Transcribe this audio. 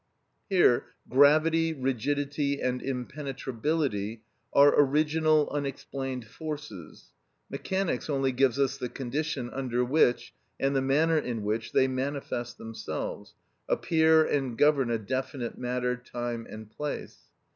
Here gravity, rigidity, and impenetrability are original unexplained forces; mechanics only gives us the condition under which, and the manner in which, they manifest themselves, appear, and govern a definite matter, time, and place.